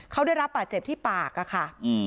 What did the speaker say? เขาได้รับบาดเจ็บที่ปากอะค่ะ